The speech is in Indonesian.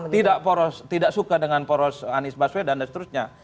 tidak suka dengan poros anies baswedan dan seterusnya